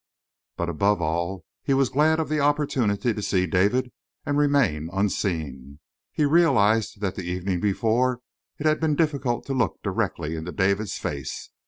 But, above all, he was glad of the opportunity to see David and remain unseen. He realized that the evening before it had been difficult to look directly into David's face.